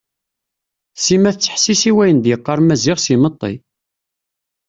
Sima tettḥessis i wayen d-yeqqar Maziɣ s imeṭṭi.